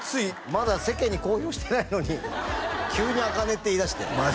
まだ世間に公表してないのに急に「あかね」って言いだしてまあ